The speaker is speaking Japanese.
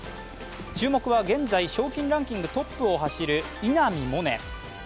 注目は現在、賞金ランキングトップを走る稲見萌寧。